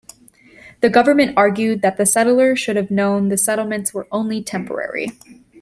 The government argued that the settlers should have known the settlements were only temporary.